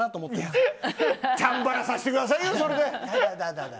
それでチャンバラさせてくださいよ！